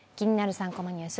３コマニュース」